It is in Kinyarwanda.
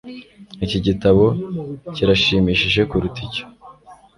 Iki gitabo kirashimishije kuruta icyo